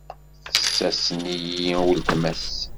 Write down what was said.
Tessasen-iyi i uletma-s.